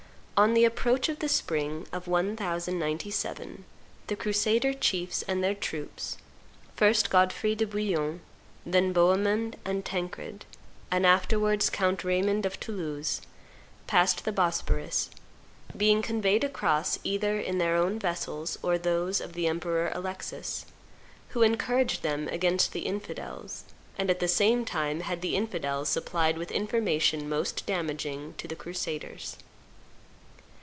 On the approach of the spring of 1097, the crusader chiefs and their troops, first Godfrey de Bouillon, then Bohemond and Tancred, and afterwards Count Raymond of Toulouse, passed the Bosphorus, being conveyed across either in their own vessels or those of the Emperor Alexis, who encouraged them against the infidels, and at the same time had the infidels supplied with information most damaging to the crusaders.